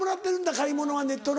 買い物はネットの。